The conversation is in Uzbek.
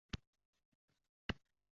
Dil dog’i.